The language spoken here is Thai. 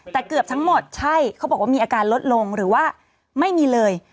แต่เกือบทั้งหมดใช่เขาบอกว่ามีอาการลดลงหรือว่าไม่มีเลย